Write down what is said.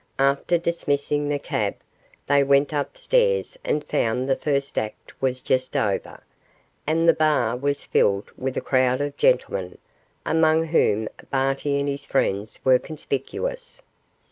After dismissing the cab, they went up stairs and found the first act was just over, and the bar was filled with a crowd of gentlemen, among whom Barty and his friends were conspicuous.